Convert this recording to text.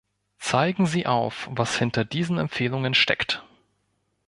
Zeigen Sie auf, was hinter diesen Empfehlungen steckt!